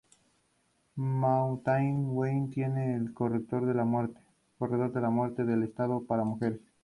Mountain View tiene el "corredor de la muerte" del estado para mujeres.